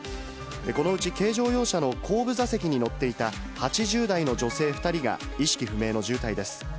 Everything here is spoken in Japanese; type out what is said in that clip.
このうち、軽乗用車の後部座席に乗っていた８０代の女性２人が意識不明の重体です。